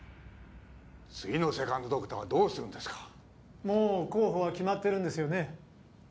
次のセカンドドクターはどうするんですかもう候補は決まってるんですよね